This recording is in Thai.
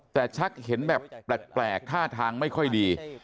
แต่ชักเห็นแบบแปลกท่าทางไม่ค่อยดี